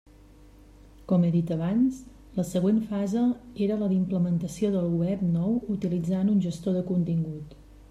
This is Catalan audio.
Com he dit abans, la següent fase era la d'implementació del web nou utilitzant un gestor de contingut.